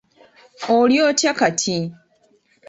Oli otya kati?